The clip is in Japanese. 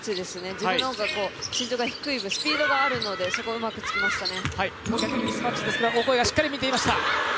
自分の方が身長が低い分スピードがあるのでそこをうまくつきましたね。